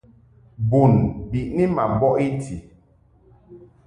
Bun biʼni ma bɔʼ i ti.